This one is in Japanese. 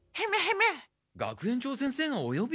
学園長先生がおよび？